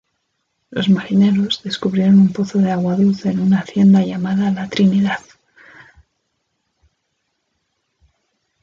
Los marineros descubrieron un pozo de agua dulce en una hacienda llamada la Trinidad.